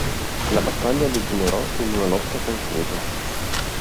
La battaglia degenerò in una lotta confusa.